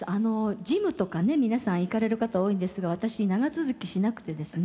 ジムとかね皆さん行かれる方多いんですが私長続きしなくてですね。